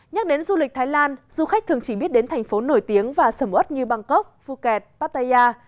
nhắc đến du lịch thái lan du khách thường chỉ biết đến thành phố nổi tiếng và sầm ớt như bangkok phuket pattaya